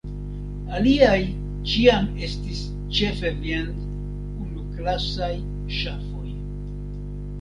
Aliaj ĉiam estis ĉefe viand-unuaklasaj ŝafoj.